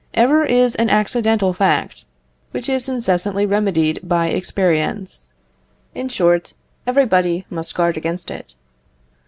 Error is an accidental fact, which is incessantly remedied by experience. In short, everybody must guard against it.